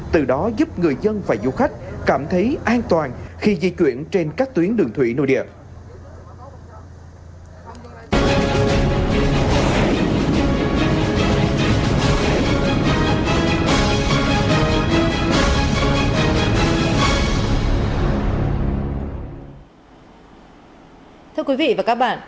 từ đó giúp người dân và du khách cảm thấy an toàn khi di chuyển trên các tuyến đường thủy nội địa